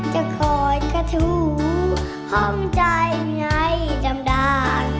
จะคอยกระถูห้องใจไงจำได้